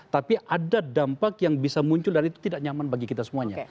tapi ada dampak yang bisa muncul dan itu tidak nyaman bagi kita semuanya